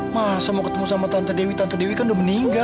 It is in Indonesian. mah sama ketemu sama tante dewi tante dewi kan udah meninggal